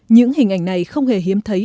những hình ảnh này không hề hiếm thấy